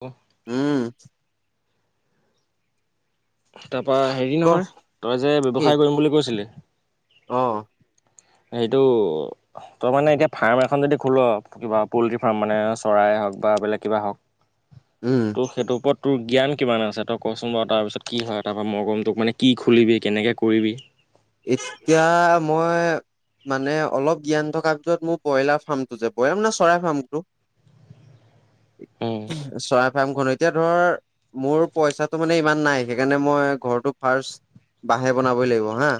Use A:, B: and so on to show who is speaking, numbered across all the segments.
A: অহ।
B: উম।
A: তাৰপৰা হেৰি
B: ক
A: নহয় তই যে
B: কি
A: ব্যৱসায় কৰিম বুলি কৈছিলি।
B: অ।
A: সেইটো। তই মানে এতিয়া ফাৰ্ম এখন যদি খোল কিবা পল্ট্ৰি ফাৰ্ম মানে চৰাই হওঁক বা বেলেগ কিবা হওঁক। [unintelligible]
B: উম।
A: তোৰ সেইটো ওপৰতোৰ জ্ঞান কিমান আছে তই কচোন বাৰু তাৰপিছত কি হয় তাৰপৰা মৰগমটোক মানে কি খুলিবি কেনেকৈ। কৰিবি।
B: এতিয়া মই। মানে অলপ জ্ঞান থকাৰ ভিতৰত মোৰ ব্ৰইলাৰ ফাৰ্মটো যে ব্ৰইলাৰ ন চৰাই ফাৰ্মটো।
A: উম।
B: চয়াইপ। এতিয়া ধৰ মোৰ পইচাটো মানে ইমান নাই সেইকাৰণে মই ঘৰটো ফাচ। বাঁহে বনাবই লাগিব হা।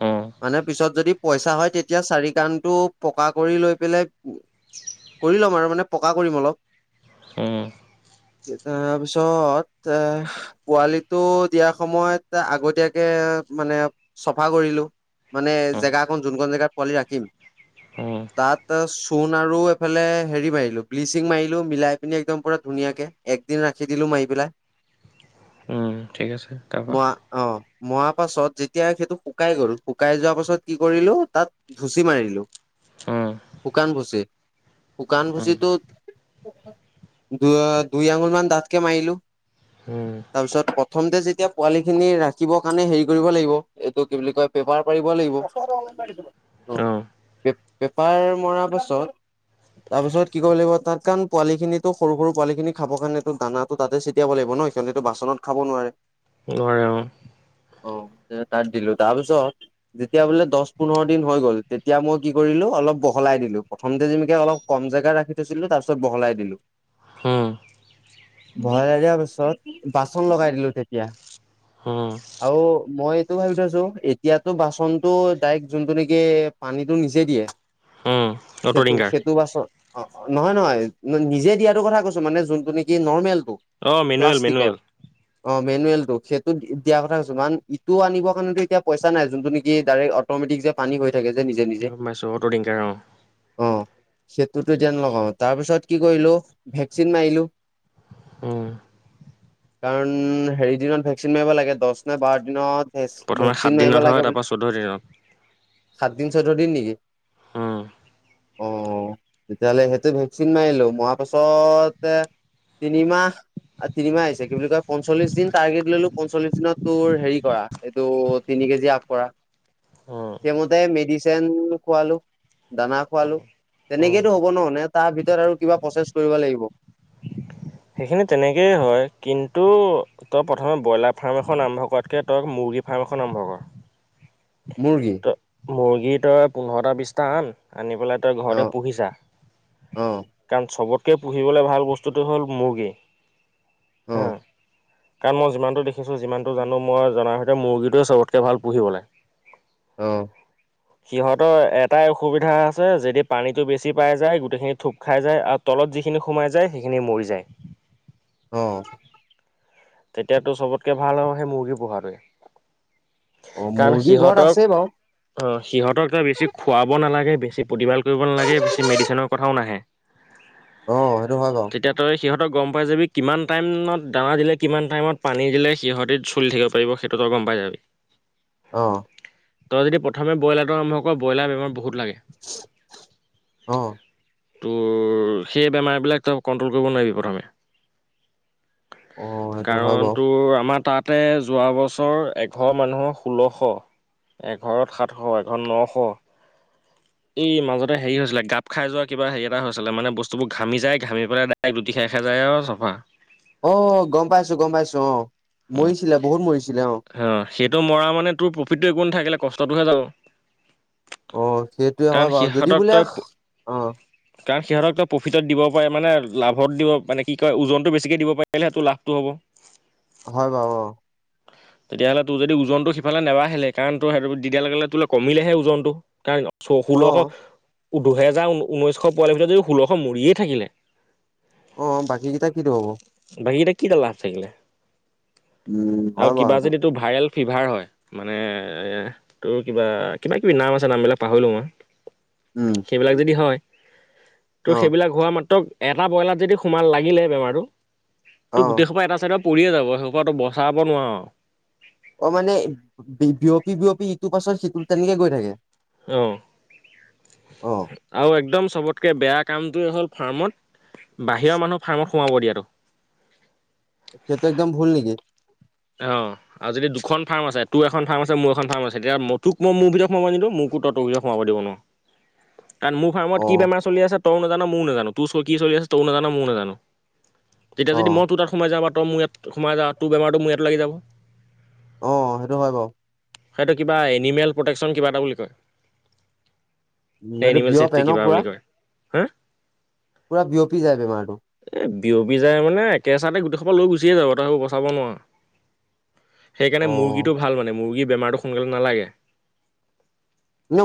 A: অ।
B: মানে পিছত যদি পইচা হয় তেতিয়া চাৰি কাণটো পকা কৰি লৈ পেলাই। কৰি ল'ম আৰু মানে পকা কৰিম অলপ।
A: হম।
B: ইটা তাৰপিছত এ। পোৱালিটো দিয়াৰ সময়ত আগতীয়াকে মানে। চাফা কৰিলোঁ মানে জেগা অকন যোনখন জেগাত পোৱালি ৰাখিম।
A: অ।
B: তাতে চোণ আৰু এইফালে হেৰি মাৰিলো ব্লিচিং মাৰিলো মিলাই পিনি একদম পুৰা ধুনীয়াকে। একদিন ৰাখি দিলো মাৰি পেলাই।
A: উম, ঠিক আছে। তাৰপা?
B: মৰা অ', মই আকৌ চৰ্ট যি এতিয়া সেইটো শুকাই গ'ল শুকাই যোৱা পাছত কি কৰিলো তাত ভুচি মাৰিলো।
A: অঁ
B: শুকানভুচি, শুকানভুচিটোত দু দুই আঙুল মান ডাঠকে মাৰিলো।
A: হুম'।
B: তাৰপিছত প্ৰথমতে যেতিয়া পোৱালিখিনি ৰাখিবৰ কাৰণে হেৰি কৰিব লাগিব। এইটো কি বুলি কয় পেপাৰ পাৰিব লাগিব। পেপ-পেপাৰ মৰা পাছত তাৰপিছত কি কৰিব লাগিব' তাত কাৰণ পোৱালি খিনিকো সৰু সৰু পোৱালিখিনিক খাব কাৰণেটো দানাত টো তাতে ছটিয়াব লাগিব ন' সেইকাৰণেটো বাচনত খাব নোৱাৰে।
A: নোৱাৰে।
B: অ' তে তাত দিলোঁ তাৰপিছত যেতিয়া বোলে দহ পোন্ধৰ দিন হৈ গ'ল তেতিয়া মই কি কৰিলো অলপ বহলাই দিলো। প্ৰথম যেমিকাই অলপ কম জোগা ৰাখি থৈছিলো তাৰ পিছত বহলাই দিলোঁ।
A: হুম।
B: ভৰাই দিয়া পিছত বাচন লগাই দিলো তেতিয়া।
A: অ।
B: আও মইট সেইটো ভাবি থৈছোঁ। এতিয়াতো বাচনতটো ডাইৰেক্টযোনটো নেকি পানীটো নিজে দিয়ে।
A: অটো
B: সেইটো
A: ডিংকাৰ
B: সেইটো বাছত অ নহয় নহয় নিজে দিয়াটো কথা কৈছো মানে যোনটো নেকি নৰ্মেলটো।
A: অঁ মেনুৱেল
B: প্লাষ্টিকৰ,
A: মেনুৱেল
B: অঁ মেনুৱেলটো সেইটো দিয়াৰ কথা কইছো কাৰণ টো আনিবৰ কাৰণেটো এতিয়া পইচা নাই, যোনটো নিকি ডাইৰেক্ট অট'মেটিক যে পানী হৈ থাকে যে নিজে নিজে
A: গম পাইছোঁ অটো ডিংকাৰ
B: অ। চেটোটেজেন লগাও তাৰপিছত কি কৰিলোঁ ভেকচিন মাৰিলোঁ।
A: উম।
B: কাৰণ হেৰি দিনত ভেকচিন মাৰিব লাগে' দহ নে বাৰ দিনত ভেচ
A: প্ৰথমে
B: ভেকচিন মাৰিব
A: সাতদিনত হয়
B: লাগে বোলে,
A: তাৰপৰা চৈধ্য দিনত
B: সাতদিন, চৈধ্যদিন নেকি?
A: উম।
B: অ তেতিয়াহ'লে সেইটো ভেকচিন ল'ই মাৰা পাছতে তিনিমাহ অ', তিনিমাহ আহিছে কি বুলি কয় পঞ্চলিশ দিন টাৰ্গেট ললো পঞ্চলিশ দিনত তোৰ হেৰি কৰা এইটো, তিনি কেজি [unintelligible]
A: উম
B: সেইমতে মেডিচিন খুৱালোঁ। দানা খোৱালো।
A: উম
B: তেনেকেইটো হ'ব ন, নে তাৰ ভিতৰত আৰু কিবা প্ৰচেছ কৰিব লাগিব?
A: সেইখিনি তেনেকেই হয়, কিন্তু তই প্ৰথমে ব্ৰইলাৰ ফাৰ্ম এখন আৰম্ভ কৰাতকৈ তই মুৰ্গী ফাৰ্ম এখন আৰম্ভ কৰ।
B: মুৰ্গী।
A: তই মুৰ্গী তই পোন্ধৰটা বিশটা আন আনি পেলাই তই ঘৰতে
B: অ',
A: পুহিছা।
B: অ',
A: কাৰণ চবতকে পুহিবলে ভাল বস্তুটো হ'ল মুৰ্গী। হা।
B: অঁ।
A: কাৰণ মই যিমানটো দেখিছোঁ, যিমানটো জানো মই জনাৰ সৈতে মুৰ্গীটোৱে চবতকৈ ভাল পুহিবলৈ।
B: অঁ।
A: সিহঁতৰ এটাই অসুবিধা আছে' যদি পানীতটো বেছি পাই যায় গোটেইখিনি থোপ খাই যায় আৰু তলত যিখিনি সোমাই যায়, সেইখিনি মৰি যায়।
B: অ'।
A: তেতিয়া তোৰ চবতকে ভাল আৰু হেই মুৰ্গী পোহাটোৱে।
B: অ
A: কাৰণ
B: মুৰ্গী ঘৰত
A: সিহঁতক
B: আছে বাৰু।
A: অ', সিহঁতক তই বেছি খুৱাব নালাগে, বেছি প্ৰতিবাল কৰিব নালাগে, বেছি মেডিচিনৰ কথাও নাহে। [inaudible]
B: অ', সেইটো হয় বাৰু।
A: তেতিয়া তই সিহঁতক গম পাই যাবি কিমান টাইমত দানা দিলে কিমান টাইমত পানী দিলে সিহঁতি চলি থাকিব পাৰিব। সেইটো তই গম পাইযাবি।
B: অ।
A: তই যদি প্ৰথম ব্ৰইলাৰটো আৰম্ভ কৰ ব্ৰইলাৰত বেমাৰ বহুত লাগে।
B: অ।
A: তোৰ সেই বেমাৰবিলাক তই কণ্ট্ৰল কৰিব নোৱাৰিবি প্ৰথমে।
B: অ', সেইটো হয়
A: কাৰণ
B: বাৰু
A: তোৰ আমাৰ তাত। তাতে যোৱা বছৰ এঘৰ মানুহৰ ষোল্লশ। এঘৰত সাতশ এঘৰত নশ। এই মাজতে হেৰি হৈছিলে গাপ খাই যোৱা কিবা হেৰি এটা হৈছিলে, মানে বস্তুবোৰ ঘামি যায় ঘামি পেলাই লুটি খাই খাই যায় আৰু চাফা।
B: অ' গম পাইছো গম পাইছো অ, মৰিছিলে বহুত মৰিছিলে অ'।
A: অ', সেইটো মৰা মানে তোৰ প্ৰফিটো একো নাথাকিলে কষ্টটোহে যাব।
B: অ', সেইটোয়ে
A: কাৰণ
B: হয় বাৰু যদি
A: সিহঁতক
B: বোলে,
A: তই
B: অ'
A: কাৰণ সিহঁতকতো প্ৰফিটত দিব পাৰে মানে লাভত দিব মানে কি কয় ওজনটো বেছিকে দিব পাৰিলে তোৰ লাভটো হ'ব।
B: হয় বাৰু অ'।
A: তেতিয়াহ'লে তোৰ যদি ওজনটো সিফালে নেবাহিলে কাৰণ তোৰ সেইটো দিদিয়া লগে লগে তোলে কমিলেহে ওজনটো কাৰণ
B: অ
A: ষোল্লশ দুহেজাৰ উনৈশশ পোৱালিৰ ভিতৰত যদি ষোল্লশ মৰিয়েই থাকিলে
B: অ' বাকীকেইটা কিটো হ'ব?
A: বাকিকিটা কি দাল লাভ থাকিলে?
B: উম।
A: আৰু
B: হয়
A: কিবা
B: বাৰু সেইটো
A: যদি তোৰ ভাইৰেল ফিভাৰ হয় মানে এ তোৰ কিবা কিবা কিবি নাম আছে নামবিলাক পাহৰিলো মই।
B: উম
A: সেইবিলাক যদি হয় তোৰ
B: অ
A: সেইবিলাক হোৱা মাত্ৰক এটা ব্ৰইলাৰত যদি সোমাল লাগিলে বেমাৰটো,
B: অ
A: তোৰ গোটেই সোপা এটা চাইডত পৰিয়ে যাব সেইসোপাটো বচা ব নোৱাঅ।
B: অ' মানে বিয়পি বিয়পি ইটোৰ পাছত সিটো তেনেকে গৈ থাকে।
A: অ'
B: অ
A: আৰু একদম চবতকে বেয়া কামটোৱে হ'ল ফাৰ্মত বাহিৰৰ মানুহ ফাৰ্মত সোমাব দিয়াতো।
B: সেইটো একদম ভুল নেকি?
A: অ'। আৰু যদি দুখন ফাৰ্ম আছে তোৰ এখন ফাৰ্ম আছে, মোৰ এখন ফাৰ্ম আছে, তেতিয়া মই তোক মই মোৰ ভিতৰত সোমাব নিদো মোকো তই তোৰ ভিতৰত সোমাব দিব নোৱাৰ। [inaudible] কাৰণ মোৰ
B: অ
A: ফাৰ্মত কি বেমাৰ চলি আছে তইও নেজান মইও নেজানো, তোৰ কি চলি আছে তইও নেজান মইও নেজানো। তেতিয়া
B: অ
A: যদি মই তোৰ তাত সোমাই যাওঁ বা তই মোৰ ইয়াত সোমাই যাৱ তোৰ বেমাৰটো মোৰ ইয়াত লাগি যাব।
B: অ' সেইটো হয় বাৰু।
A: সেইটো কিবা এনিমেল প্ৰটেকশ্যন কিব এটা বুলি কয়।
B: এইটো
A: এনিমেল
B: বিয়পে
A: চৃছেফটি
B: ন
A: কিবা
B: পুৰা
A: বুলি কয়। হা?
B: পুৰা বিয়পি যায় বেমাৰটো।
A: এই বিয়পি যায় মানে একেচাতে গোটেই সোপা লৈ গুচিয়ে যাব। তই আৰু বচাব নোৱাৰ। সেইকাৰণে
B: অ
A: মুৰ্গীটো ভাল মানে মুৰ্গীৰ বেমাৰটো সোনকালে নেলাগে।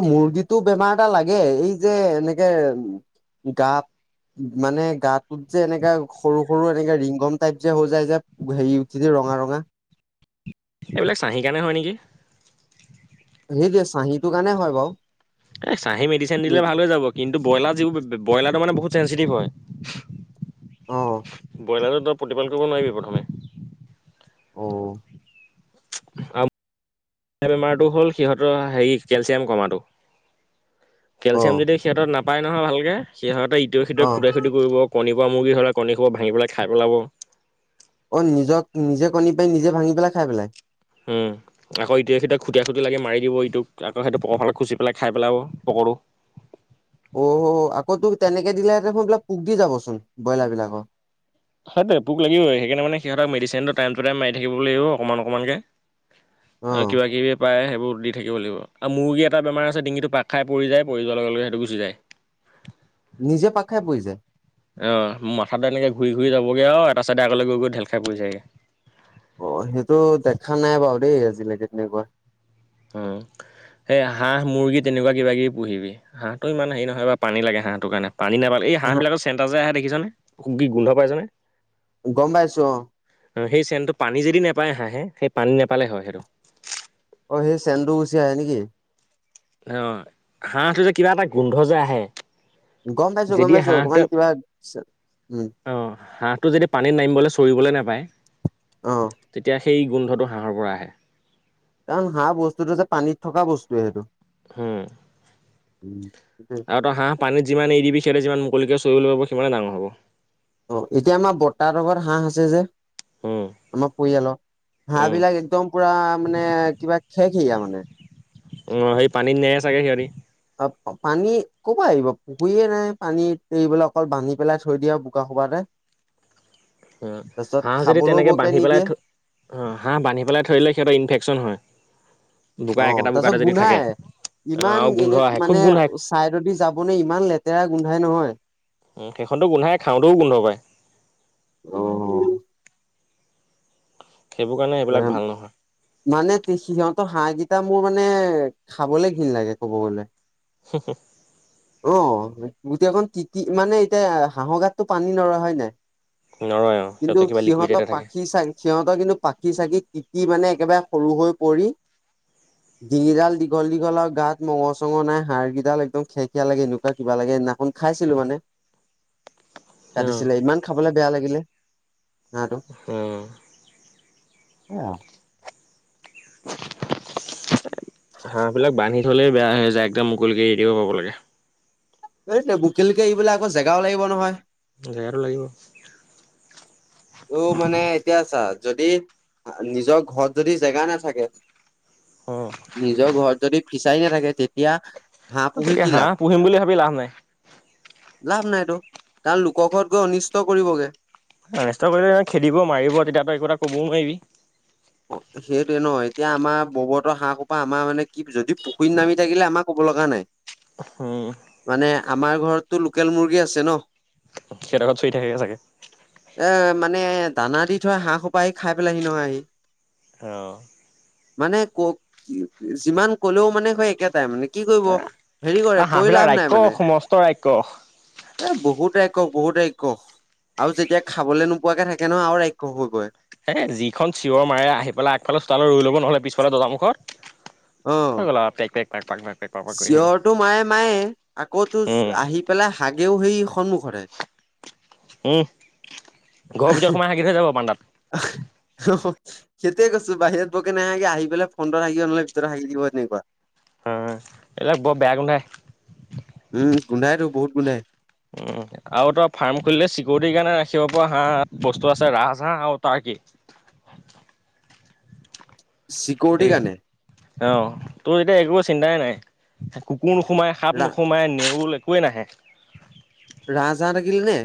B: মুৰ্গীটো বেমাৰ এটা লাগে, এই যে এনেকে গাপ মানে গাটোত যে এনেকা সৰু সৰু এনেকে ৰিংগম টাইপ যে হৈ যায় যে। হেৰি উঠি ৰঙা ৰঙা।
A: এইবিলাক চাঁহি কাৰণে হয় নেকি?
B: সেইটোৱেই চাঁহিটো কাৰণে হয় বাৰু।
A: এ চাহি মেডিচিন দিলে ভাল হৈ যাব। কিন্তু ব্ৰইলাৰ যিবোৰ ব্ৰইলাৰটো মানে বহুত চেঞ্চিটিভ হয়।
B: অ
A: ব্ৰইলাৰতো তই প্ৰতিপাল কৰিব নোৱাৰিবি প্ৰথমে।
B: অ'।
A: আৰু বেমাৰটো হ'ল সিহঁতৰ হেৰি কেলচিয়াম কমাটো।
B: অ
A: কেলচিয়াম যদি সিহঁত নাপায় নহয় ভালকে সিহঁতে ইটোৰ সিতে
B: অ
A: খুটাই খুট কি কৰিব কণীপ পৰা মুৰ্গী হ'লে কণী খবৰ ভাঙি পেলাই পেলাব।
B: অ', নিজক নিজে কণী পাই নিজে ভাঙি পেলাই খাই পেলাই?
A: উম। আকৌ এতি সতিয়া খুটীয়া খুটি লাগি মাৰি দিব ইটোক আকৌইটো পকৰ ফালে খাইপেলাব পকৰোঁ।
B: অও' আকৌ তোক তেনেকে দিলে দেখোন এইবিলাক পোক দি যাবচোন ব্ৰইলাৰ বিলাক।
A: সেটোৱে পোক লাগিব সেইকানে মানে সিহঁতক মেদিচিনটো টাইমটো টাইম মাৰি থাকিব লাগিব অকণ অকমান অকমানকে।
B: অ
A: আৰু কিবা কিবি- পায়ে সেইবোৰ দি থাকিব লাগিব। আৰু মুৰ্গী এটা বেমাৰ আছে ডিঙিটো পাক খাই পৰি যায় পৰি যোৱাৰ লগে সেইটো গুচি যায়। [inaudible]
B: নিজে পাক খাই পৰি যায়।
A: অ' মাথাতো এনেকে ঘূৰি ঘূৰি যাবগে আৰু এটা চাইডে আগলে গৈ গৈ ঢেল খাই পৰিযাইগে।
B: অ' সেইটো দেখা নাই বাৰু দেই আজিলেকে তেনেকুৱা।
A: উম এহ হাঁহ মুৰ্গী তেনেকুৱা কিবা কিবি পুহিবি। হাঁহটো ইমান হেই নহয় বাও পানী লাগে হাঁহটোৰ কাৰণে পানী নেপা- এই হাঁহ বিলাকৰ চেণ্ন্তা যে আহে দেখিছানে খু কি গোন্ধ পাইছনে।
B: গম পাইছো, অঁ'
A: অঁ' সেই চেনটো পানী যদি নাপায় হাঁহে সেই পানী নাপালে হয় সেটো।
B: অ' সেই চেন্দু গুচি আহে নেকি।
A: অঁ, হাঁহটো যে কিবা এটা গোন্ধ যে আহে-
B: গম পাইছো গম
A: যদি
B: পাইছো, অকমান কিবা আছে, উম'।
A: অঁ' হাঁহটো যদি পানীত নামিবলে চৰিবলৈ নাপায়,
B: অ
A: তেতিয়া- সেই গোন্ধটো হাঁহৰ পৰা আহে।
B: কাৰণ হাঁ বস্তুটো যে পানীত থকা বস্তুৱে সেইটো।
A: হুম'
B: উম'।
A: আৰু তই হাঁহ পানীত যিমান এৰি দিবি যিমান মুকলিকে চৰিবলৈ পাব সিমানে ডাঙৰ হ'ব।
B: অঁ' এতিয়া আমাৰ বততা হ'তৰ ঘৰত হাঁহ আছে যে।
A: উম
B: আমা পৰিয়ালৰ হাঁহ
A: উম
B: বিলাক একদম পুৰা মানে কিবা খেকেয়া মানে।
A: উম' অঁ, সেই পানীত নেৰে চাগে সিহঁতি।
B: অঁ, পানী কপা আহিব? পুখুৰীয়ে নাই পানীত এৰিবলে অকল বান্ধি পেলাই থৈ দিয়ে আৰু বোকা সোবাতে।
A: উম' হাঁহ যদি
B: খাবলৈও
A: তেনেকে
B: বৰকে
A: বান্ধি পেলাই
B: নিদিয়ে
A: থৈ অঁ হাঁহ বান্ধি পেলাই থৈদিলে সিহঁতৰ ইনফেকচন হয়। বোকা
B: অ
A: একেটা
B: তাৰপিছত
A: বোকাটে যদি থাকে
B: গোন্ধাই
A: অঁ আৰু গোন্ধ আহে খুব গোন্ধ আহে।
B: চাইদদি যাব‌ নোৱাৰি ইমান লেতেৰা গোন্ধাই নহয়।
A: উম' সেইখনতো গোন্ধায়ে খাওঁতও গোন্ধ পায়।
B: অ'
A: সেইবোৰ কাৰণে
B: অ
A: এইবিলাক ভাল নহয়।
B: মানে সিহঁতৰ হাঁহ কেইটা মোৰ মানে খাবলে ঘীণ লাগে কব গলে।
A: [unintelligible]
B: অঁ, গোটেইখন তিতি মানে এতিয়া হাঁহৰ গাতটো পানী নৰয় হয় নাই।
A: নৰয় আৰু
B: কিন্তু,
A: কিবা লিকুইড
B: সিহঁতৰ
A: এটা থাকে
B: পাখি চাই সিহঁতৰ কিন্তু- পাখি চাখি টিটি মানে একেবাৰে সৰু হৈ পৰি-
A: [inaudible]
B: ডিঙিডাল দীঘল দীঘল আৰু গাত মঙ চঙ নাই হাৰগেইডাল একদম খেখীয়া লাগে এনেকুৱা কিবা লাগে সেদিনাখন- খাইছিলো মানে।
A: [inaudible] অ
B: কাটিছিলে, ইমান খাবলে বেয়া লাগিলে হাঁহটো।
A: হঁ'
B: এই অঁ'।
A: হাঁহ বিলাক বান্ধি থলে বেয়া হৈ যায় একদম মুকলিকে এৰি দিব পাব লাগে
B: এই বোকেলিকে এইবিলাক আকৌ জেগাও লাগিব নহয়
A: জেগাটো লাগিব
B: তোৰ মানে এতিয়া ছা যদি নিজৰ ঘৰত যদি জেগা নাথাকে
A: অ
B: নিজৰ ঘৰত যদি ফিচাৰি নাথাকে তেতিয়া হাঁহ পুহি
A: তেতিয়া
B: কি
A: হাঁহ
B: লাাপ
A: পুহিম বুলি ভাবি লাভ নাই
B: লাভ নাইতো কাৰণ লোকৰ ঘৰত গৈ অনিষ্ট কৰিবগে
A: নষ্ট কৰিলে খেদিব মাৰিব তেতিয়াতো একো এটা ক'বও নোৱাৰিবি
B: অ সেইটোৱে ন এতিয়া আমাৰ ববহতৰ হাঁহ সোপা আমাৰ মানে কি যদি পুখুৰীত নামি থাকিলে আমাক ক'ব লগা নাই
A: উম
B: মানে আমাৰ ঘৰতটো লোকেল মুৰ্গী আছে ন
A: সেহঁতৰ ঘৰত চৰি থাকেগে চাগে
B: এ মানে দানা দি থয় হাঁহ সোপা আহি খাই পেলাইহি নহয়
A: অ
B: মানে ক যিমান কলেও মানে সেই একেটাই মানে কি কৰিব হেৰি
A: অ
B: কৰে কৈ
A: হাঁহবিলাক
B: লাভ
A: ৰাক্ষ
B: নাই মানে
A: সমস্ত ৰাক্ষ
B: এ বহুত ৰাইক্ষক বহুত ৰাইক্ষক আৰু যেতিয়া খাবলে নোপোৱাকে থাকে নহয় আৰু ৰাক্ষ হৈ গৈ
A: এ যিখন চিঞৰ মাৰে আহি পেলাই আগফালে চোতালত ৰৈ ল'ব নহ'লে পিছফালে দৰ্জা মুখত
B: অ
A: পাক পাক কৰি থাকিব
B: চিঞৰটো মায়ে মায়ে আকৌ তো
A: উম
B: আহি পেলাই হাগেও সেই সন্মুখতে
A: উম ঘৰৰ ভিতৰত সোমাই হাগি থৈ যাব বাৰান্দাত
B: আ হুম হুম সেইটোৱেই কৈছো বাহিৰত বৰকে নাহাগে আহি পেলাই ফণ্টত হাগিব নহলে ভিতৰত হাগি দিব তেনেকুৱা
A: হয় এই বিলাক বৰ বেয়া গোন্ধাই
B: উম গোন্ধাই টো বহুত গোন্ধাই
A: উম আৰু তই ফাৰ্ম খুলিলে চিকিউৰিটিৰ কাৰণে ৰাখিব পৰা হাঁহ বস্তু আছে ৰাজ হাঁহ আৰু তাৰ কি
B: চিকউৰিটি কাৰনে
A: অ তোৰ তেতিয়া একো চিন্তাই নাই কুকুৰ নোসোমাই সাপ
B: ৰা
A: নোসোমায় নেউল একোৱেই নাহে
B: ৰাজহাঁহ থাকিলে নে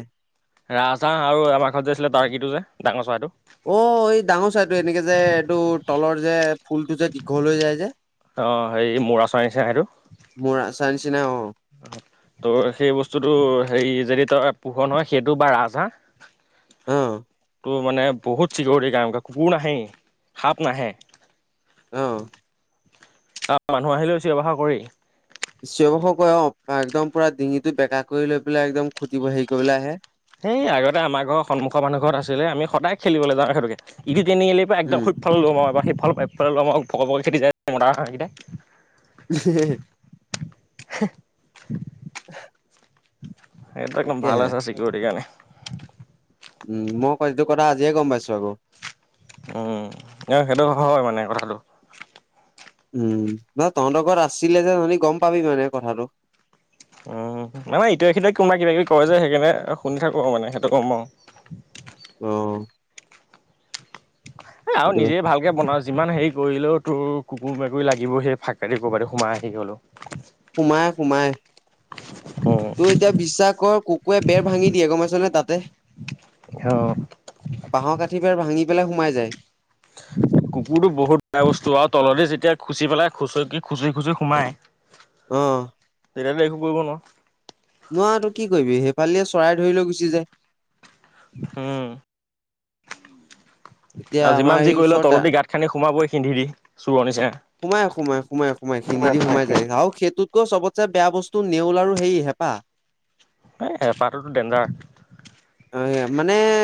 A: ৰাজ হাঁহ আৰু আমাৰ ঘৰত যে আছিলে তাৰকীটো যে ডাঙৰ চৰাইটো
B: অ এই ডাঙৰ চৰাইটো এনেকে যে এইটো তলৰ যে ফুলটো যে দীঘল হৈ যায় যে
A: অ হেৰি মৌৰা চৰাই নিচিনা সেইটো
B: মৰা চৰাই নিচিনা অ
A: ত' সেই বস্তুটো হেৰি যদি তই পোহ নহয় সেইটো বা ৰাজ হাঁহ
B: অ
A: তোৰ মানে বহুত চিকৰিটি কুকুৰ নাহেই সাপ নাহে
B: অ
A: আহ মানুহ আহিলো চিঞৰ বাষৰ কৰেই
B: চিঞৰ বাখৰ কৰেই অ একদম পুৰা ডিঙিটো বেকা কৰি লৈ পেলাই একদম খুটিব হেৰি কৰিবলে আহে
A: সেই আগতে আমাৰ ঘৰৰ সন্মুখৰ মানুহ ঘৰত আছিলে আমি সদায় খেলিবলৈ যাও সেইটোকে এটো তিনি আলিৰ পৰা
B: উম
A: একদম এইফালে লৰ মাৰো এবাৰ সিফালৰ পৰা এই ফালে লৰ মাৰো পকৰে পকৰে খেদি যায় মতা হাঁহ কেইটাই
B: [unintelligible] [unintelligible]
A: সেই পাকো ভাল
B: তাকেহে
A: আছে চিকৰিটিৰ কাৰণে।
B: উমঁ' মই আকৌ এইটো কথা আজিয়ে গম পাইছো আকৌ।
A: উমঁ' হয় সেইটো হয় মানে কথাটো।
B: উমঁ' বা তহঁতৰ ঘৰত আছিলে যে তহঁতি গম পাবি মানে কথাটো।
A: উমঁ' মানে ইটোৱে সিটোৱে কোনোবা কিবাকিবি কয় যে সেইকাৰণে শুনি থাকো আৰু মানে সেইটো গম [unintelligible]
B: অঁ।
A: এ আৰু
B: সেইটো
A: নিজে
B: কথা
A: ভালকে বনা যিমান সেৰি কৰিলেও তোৰ কুকুৰ মেকুৰী লাগিব সেই ফাকে দি ক'ৰবাত সোমাই আহি হলো।
B: সোমাই সোমাই।
A: উম
B: তোৰ এতিয়া বিশ্বাস কৰ কুকুৰে বেৰ ভাঙি দিয়ে গম পাইছ নে তাতে।
A: অঁ।
B: বাঁহৰ কাঠিবেৰ ভাঙি পেলাই সোমাই যায়।
A: কুকুৰটো বহুত বেয়া বস্তু আৰু তলতে যেতিয়া খুচি পেলাই খুচৰি খুচি খুচি সোমাই- [unintelligible]
B: অঁ।
A: তেতিয়াটো একো কৰিব নোৱাৰ।
B: নোৱাৰটো কি কৰিবি সেইফালে চৰাই ধৰি লৈ গুচি যায়।
A: উমঁ' আৰু
B: এতিয়া আমাৰ
A: যিমান যি
B: এই
A: কৰিলেও
B: ওচৰতে
A: তলতে গাত খানি সোমাবই [unintelligible] চোৰৰ নিচিনা।
B: সোমাই সোমাই সোমাই সোমাই সিন্ধি দি সোমাই যায় আৰু সেইটোতকও চবত বেয়া বস্তু নেউল আৰু সেই হেঁপা।
A: এই হেপা টোটো ডেঞ্জাৰ।
B: মানে